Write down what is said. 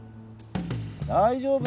大丈夫！